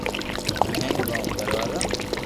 ھین ھینگ گوم دروازا